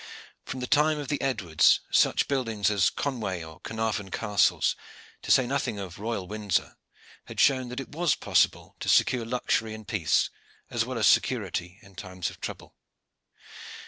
From the time of the Edwards such buildings as Conway or Caernarvon castles, to say nothing of Royal Windsor, had shown that it was possible to secure luxury in peace as well as security in times of trouble.